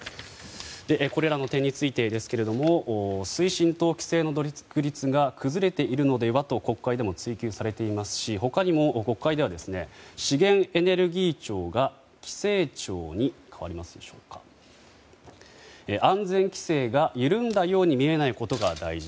これらの点についてですけれども推進と規制の独立が崩れているのではと国会でも追及されていますし他にも国会では資源エネルギー庁が規制庁に安全規制が緩んだように見えないことが大事。